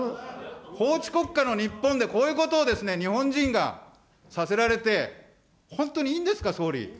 法治国家の日本で、こういうことをですね、日本人がさせられて、本当にいいんですか、総理。